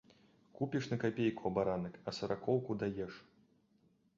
Купіш на капейку абаранак, а саракоўку даеш.